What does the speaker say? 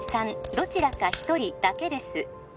どちらか一人だけです